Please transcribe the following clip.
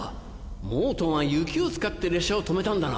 モートンは雪を使って列車を止めたんだな。